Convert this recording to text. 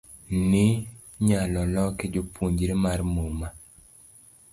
ni nyalo loke japuonjre mar muma